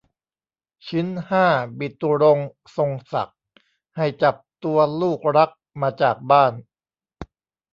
ชิ้นห้าบิตุรงค์ทรงศักดิ์ ให้จับตัวลูกรักมาจากบ้าน